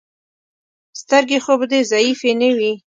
سترګې خو به دې ضعیفې نه وي.